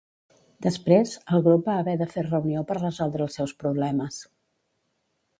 Després, el grup va haver de fer reunió per resoldre els seus problemes.